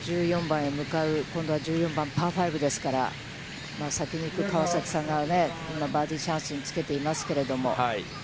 １４番に向かう、今度は１４番、パー５ですから、先に行く川崎さんが今、バーディーチャンスにつけていますけれども。